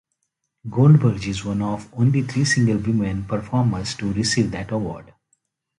Goldberg is one of only three single women performers to receive that award.